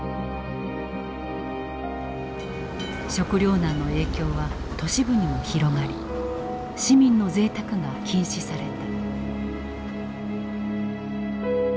食糧難の影響は都市部にも広がり市民のぜいたくが禁止された。